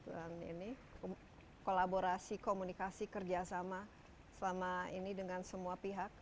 dan ini kolaborasi komunikasi kerjasama selama ini dengan semua pihak